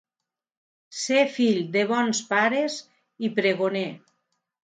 Ser fill de bons pares i pregoner.